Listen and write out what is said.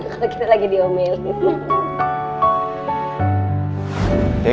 kalo kita lagi diomelin